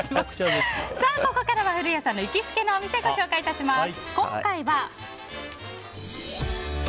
ここからは古谷さんの行きつけのお店をご紹介致します。